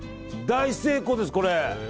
大成功です、これ。